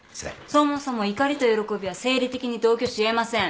そもそも怒りと喜びは生理的に同居し得ません。